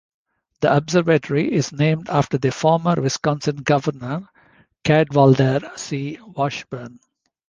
The observatory is named after the former Wisconsin governor, Cadwallader C. Washburn.